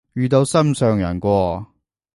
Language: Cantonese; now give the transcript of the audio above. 遇到心上人喎？